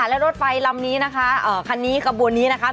และรถไฟลำนี้นะคะคันนี้ขบวนนี้นะคะ